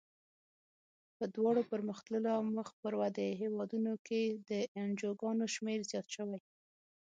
په دواړو پرمختللو او مخ پر ودې هېوادونو کې د انجوګانو شمیر زیات شوی.